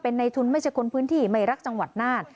ในทุนไม่ใช่คนพื้นที่ไม่รักจังหวัดน่าน